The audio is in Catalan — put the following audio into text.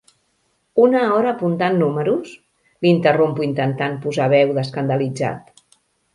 Una hora apuntant números? —l'interrompo intentant posar veu d'escandalitzat.